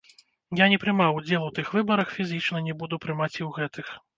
Я не прымаў удзел у тых выбарах, фізічна, не буду прымаць і ў гэтых.